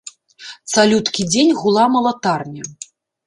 Цалюткі дзень гула малатарня.